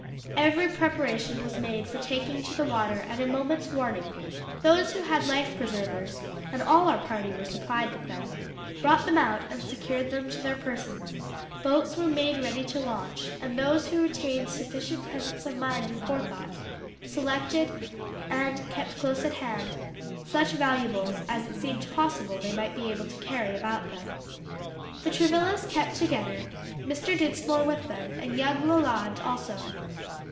Every preparation was made for taking to the water at a moment's warning; those who had life preservers and all our party were supplied with them brought them out and secured them to their persons; boats were made ready to launch, and those who retained sufficient presence of mind and forethought, selected, and kept close at hand, such valuables as it seemed possible they might be able to carry about them. The Travillas kept together, Mr. Dinsmore with them, and young Leland also.